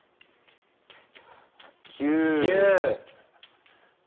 ９。